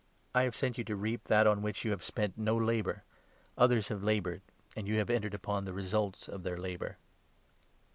I have 38 sent you to reap that on which you have spent no labour ; others have laboured, and you have entered upon the results of their labour."